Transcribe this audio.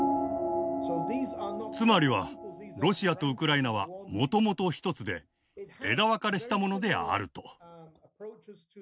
つまりはロシアとウクライナはもともと一つで枝分かれしたものであると。